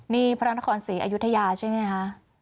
นี่พระนครศรีอยุธยาใช่ไหมคะ